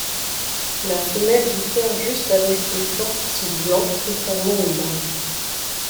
La femelle diffère juste avec les flancs qui sont blancs contrairement au mâle.